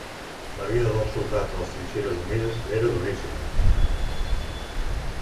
La vida dels soldats a les trinxeres humides era duríssima.